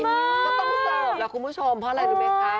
ก็ต้องเสิร์ฟล่ะคุณผู้ชมเพราะอะไรรู้ไหมคะ